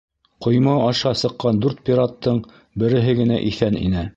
Ҡойма аша сыҡҡан дүрт пираттың береһе генә иҫән ине.